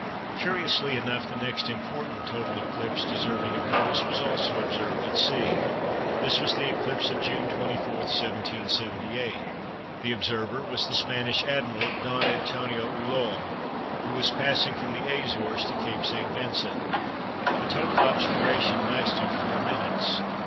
Curiously enough the next important total eclipse deserving of notice was also observed at sea. This was the eclipse of June 24, 1778. The observer was the Spanish Admiral, Don Antonio Ulloa, who was passing from the Azores to Cape St. Vincent. The total obscuration lasted 4 minutes.